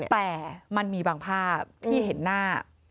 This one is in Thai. แต่มันมีบางภาพที่เห็นหน้า